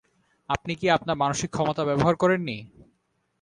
আপনি কি আপনার মানসিক ক্ষমতা ব্যবহার করেন নি।